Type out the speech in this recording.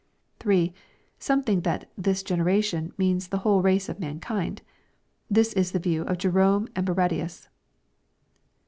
3. Some think that " this generation" means " the whole race of mankind." This is the view of Jerome and Barradius.